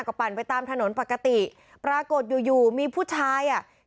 ก็ปั่นไปตามถนนปกติปรากฏอยู่อยู่มีผู้ชายอ่ะ